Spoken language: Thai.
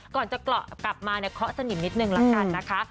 ก่อนจะกลับมาเค้าสนิมนิดหนึ่งละกันนะคะ